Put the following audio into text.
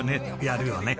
やるよね。